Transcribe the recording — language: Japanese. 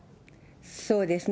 そうですね。